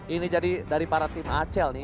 ini jadi dari para tim acel nih